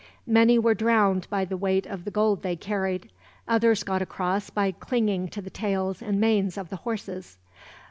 Many were drowned by the weight of the gold they carried. Others got across by clinging to the tails and manes of the horses.